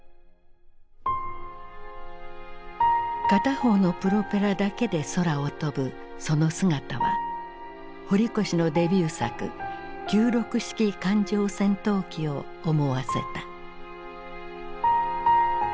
片方のプロペラだけで空を飛ぶその姿は堀越のデビュー作九六式艦上戦闘機を思わせた。